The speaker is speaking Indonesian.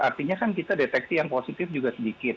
artinya kan kita deteksi yang positif juga sedikit